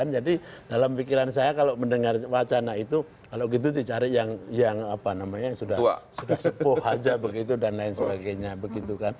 jadi dalam pikiran saya kalau mendengar wacana itu kalau gitu dicari yang sudah sepuh saja dan lain sebagainya